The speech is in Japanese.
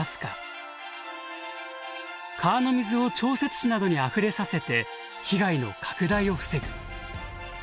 川の水を調節池などにあふれさせて被害の拡大を防ぐ。